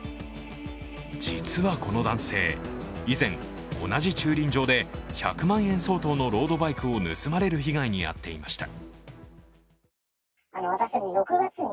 実はこの男性、以前、同じ駐輪場で１００万円相当のロードバイクを盗まれる被害に遭っていました。